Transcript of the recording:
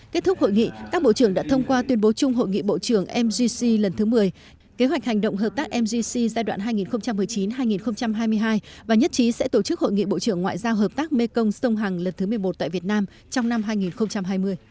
kết thúc hội nghị các bộ trưởng đã thông qua tuyên bố chung hội nghị bộ trưởng mgc lần thứ một mươi kế hoạch hành động hợp tác mgc giai đoạn hai nghìn một mươi chín hai nghìn hai mươi hai và nhất trí sẽ tổ chức hội nghị bộ trưởng ngoại giao hợp tác mê công sông hằng lần thứ một mươi một tại việt nam trong năm hai nghìn hai mươi